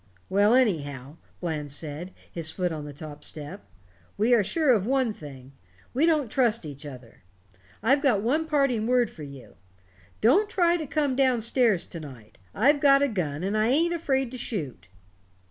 "Well, anyhow," Bland said, his foot on the top step, "we are sure of one thing we don't trust each other. I've got one parting word for you. Don't try to come down stairs to night. I've got a gun, and I ain't afraid to shoot."